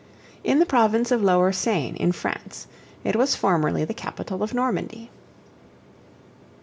In the province of Lower Seine, in France; it was formerly the capital of Normandy.